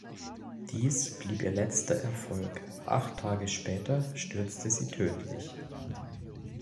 Dies blieb ihr letzter Erfolg, acht Tage später stürzte sie tödlich.